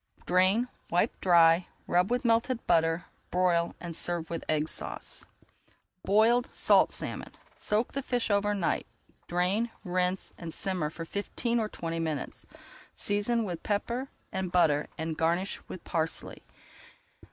Drain, wipe dry, rub with melted butter, broil, and serve with Egg Sauce. BOILED SALT SALMON Soak the fish over night, drain, rinse, and simmer for fifteen or twenty minutes. Season with pepper and butter and garnish with parsley.